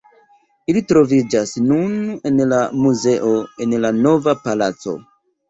Ili troviĝas nun en la muzeo en la Nova Palaco.